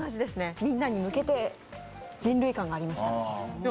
みんなに向けて、人類感がありました。